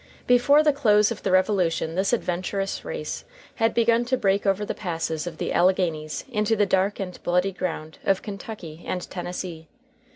Before the close of the Revolution this adventurous race had begun to break over the passes of the Alleghanies into the dark and bloody ground of Kentucky and Tennessee.